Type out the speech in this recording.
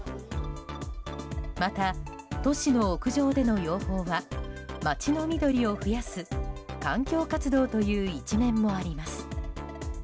また、都市の屋上での養蜂は街の緑を増やす環境活動という一面もあります。